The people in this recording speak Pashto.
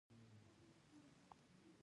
دښمن ته ولې لار ورکړو؟